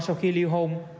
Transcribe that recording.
sau khi liêu hôn